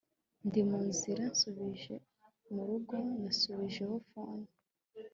Ndi munzira nsubiye murugo nasubijeho phone